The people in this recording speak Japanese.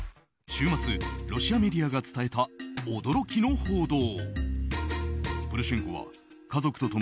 週末、ロシアメディアが伝えた驚きの報道。